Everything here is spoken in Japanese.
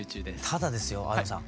ただですよ青山さん